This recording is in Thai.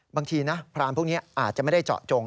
บางทีผลานการพลาดพวกนี้อาจจะไม่ได้เจาะจง